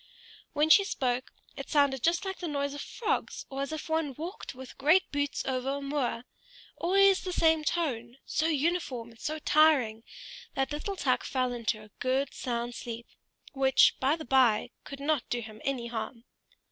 When she spoke it sounded just like the noise of frogs, or as if one walked with great boots over a moor; always the same tone, so uniform and so tiring that little Tuk fell into a good sound sleep, which, by the bye, could not do him any harm.